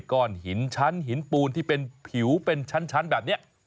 ก้อนหินชั้นหินปูนที่เป็นผิวเป็นชั้นแบบนี้